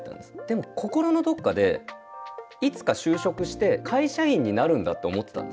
でも心のどこかでいつか就職して会社員になるんだって思ってたんです。